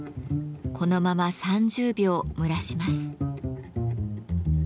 このまま３０秒蒸らします。